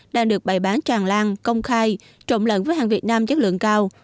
đang được bày bán tràn lan công khai trộn lẫn với hàng việt nam chất lượng cao